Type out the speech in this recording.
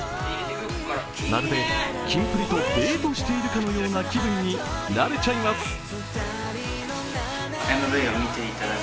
まるでキンプリとデートしているかのような気分になれちゃいます。